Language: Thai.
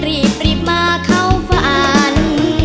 รีบมาเข้าฝัน